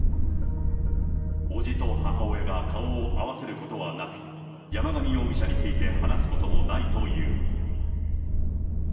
伯父と母親が顔を合わせることはなく、山上容疑者について話すこともないという。